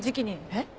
えっ？